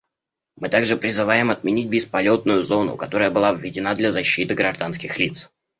Мы также призываем отменить бесполетную зону, которая была введена для защиты гражданских лиц.